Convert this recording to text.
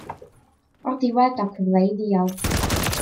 O'r diwedd daw cyfle i ddial.